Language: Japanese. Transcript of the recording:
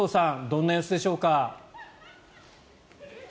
どんな様子でしょうか？